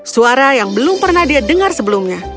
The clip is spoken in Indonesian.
suara yang belum pernah dia dengar sebelumnya